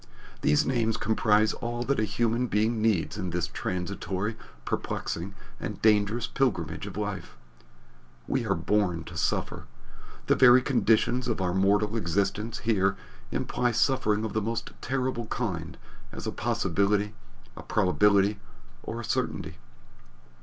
These names comprise all that a human being needs in this transitory, perplexing and dangerous pilgrimage of life. The familiar combination of Rex. Lux, Lex, Dux. We are born to suffer. The very conditions of our mortal existence here imply suffering of the most terrible kind as a possibility, a probability, or a certainty.